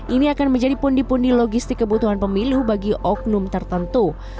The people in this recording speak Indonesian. ini akan menjadi pundi pundi logistik kebutuhan pemilu bagi oknum tertentu